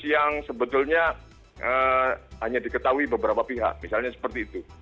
yang sebetulnya hanya diketahui beberapa pihak misalnya seperti itu